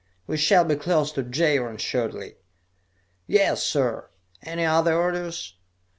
We shall be close to Jaron shortly." "Yes, sir! Any other orders?"